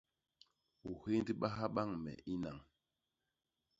U héndbaha bañ me i nañ.